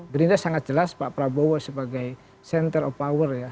gerindra sangat jelas pak prabowo sebagai center of power ya